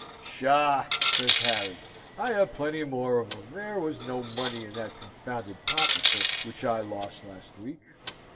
"Psha!" says Harry. "I have plenty more of 'em. There was no money in that confounded pocket book which I lost last week."